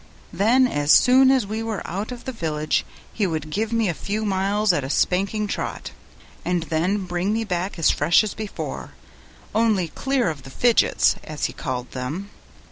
Then as soon as we were out of the village, he would give me a few miles at a spanking trot, and then bring me back as fresh as before, only clear of the fidgets, as he called them.